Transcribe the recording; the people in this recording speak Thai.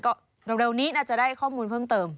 ก็เร็วนี้น่าจะได้ข้อมูลเพิ่มเติม